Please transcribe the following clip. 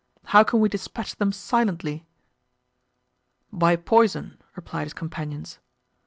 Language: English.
—How can we dispatch them silently?" "By poison," replied his companions.